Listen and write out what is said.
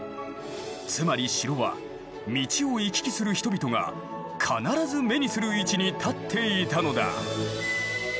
つまり城は道を行き来する人々が必ず目にする位置に立っていたのだ。